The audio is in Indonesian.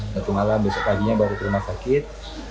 satu malam besok paginya baru ke rumah sakit